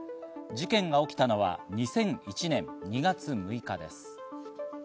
事件が起きたのは２００１年２月６日です。